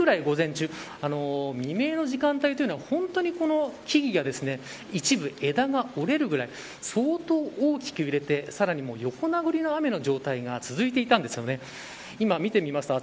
この３時から４時ぐらい午前中未明の時間帯というのは本当にこの木々が一部、枝が折れるぐらい相当、大きく揺れてさらに横殴りの雨の状態が続いていたんです。